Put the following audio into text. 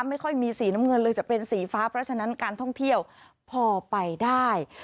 ไม่ค่อยมีสีน้ำเงินเลยจะเป็นสีฟ้าเพราะฉะนั้นการท่องเที่ยวพอไปได้